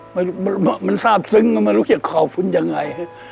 มันทราบซึ้งไม่รู้จะขอบคุณยังไง